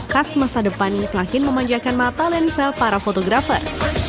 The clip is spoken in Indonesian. kas masa depan ini telah memanjakan mata lensa para fotografer